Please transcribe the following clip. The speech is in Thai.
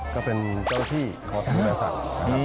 ก็เป็นเจ้าที่เขาดูแลสัตว์